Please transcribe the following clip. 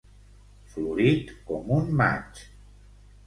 Florit com un maig.